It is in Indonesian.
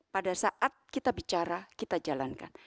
pada saat kita bicara kita jalankan